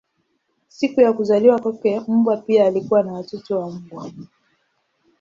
Siku ya kuzaliwa kwake mbwa pia alikuwa na watoto wa mbwa.